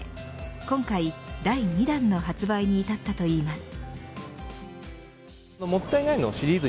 今回、第２弾の発売に至ったといいます。